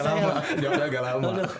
jawabnya agak lama jawabnya agak lama